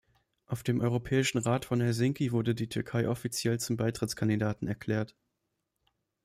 Auf dem Europäischen Rat von Helsinki wurde die Türkei offiziell zum Beitrittskandidaten erklärt.